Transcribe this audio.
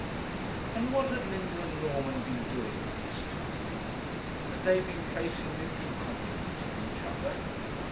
And what had Linda and Norman been doing all this time? Had they been placing mutual confidence in each other?